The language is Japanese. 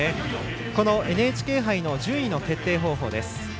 このＮＨＫ杯の順位の決定方法です。